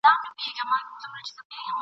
ګوندي د زړه په کوه طور کي مي موسی ووینم !.